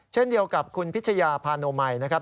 เช่นเดียวกับคุณพิชยาพาโนมัยนะครับ